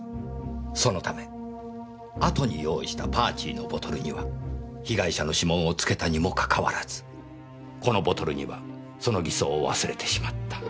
そのため後に用意した「パーチー」のボトルには被害者の指紋を付けたにもかかわらずこのボトルにはその偽装を忘れてしまった。